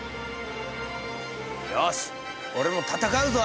よし俺も闘うぞ！